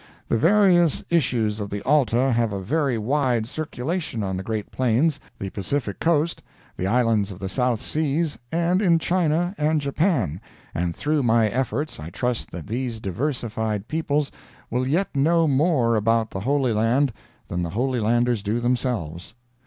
The various issues of the ALTA have a very wide circulation on the great Plains, the Pacific Coast, the islands of the South Seas, and in China and Japan, and through my efforts I trust that these diversified peoples will yet know more about the Holy Land than the Holy Landers do themselves.